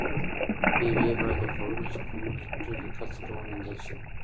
مېوې باید د خوړلو څخه مخکې په ډېر دقت سره ومینځل شي.